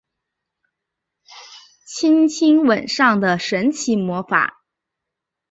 轻轻吻上的神奇魔法